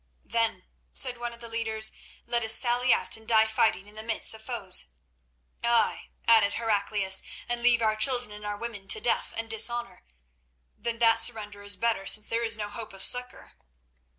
"Then," said one of the leaders, "let us sally out and die fighting in the midst of foes." "Ay," added Heraclius, "and leave our children and our women to death and dishonour. Then that surrender is better, since there is no hope of succour."